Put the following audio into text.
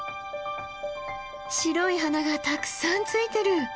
白い花がたくさんついてる！